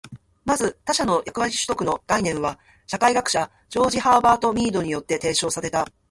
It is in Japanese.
まず、「他者の役割取得」の概念は社会学者ジョージ・ハーバート・ミードによって提唱された。